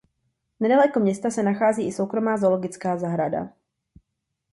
Nedaleko města se nachází i soukromá zoologická zahrada.